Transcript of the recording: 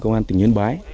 công an tỉnh nhân bái